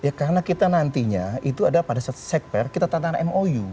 ya karena kita nantinya itu ada pada saat sekber kita tantangan mou